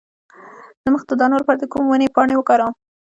د مخ د دانو لپاره د کومې ونې پاڼې وکاروم؟